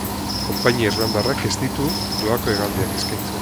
Konpainia irlandarrak ez ditu doako hegaldiak eskaintzen.